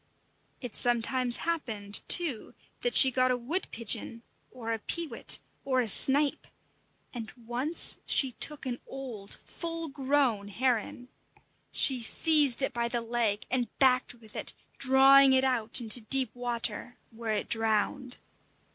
It sometimes happened, too, that she got a wood pigeon, or a peewit, or a snipe; and once she took an old, full grown heron. She seized it by the leg and backed with it, drawing it out into deep water, where it drowned.